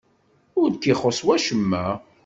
Ur k-ixuṣṣ wacemma?